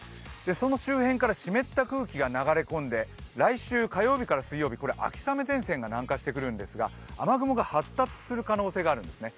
その周辺から湿った空気が流れ込んで来週火曜日から水曜日、これ秋雨前線が南下してくるんですが雨雲が発達する可能性があるんですね。